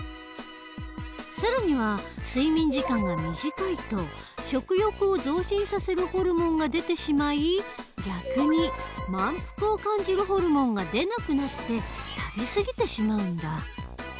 更には睡眠時間が短いと食欲を増進させるホルモンが出てしまい逆に満腹を感じるホルモンが出なくなって食べすぎてしまうんだ。